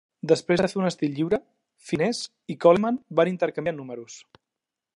Després de fer un estil lliure, Finesse i Coleman van intercanviar números.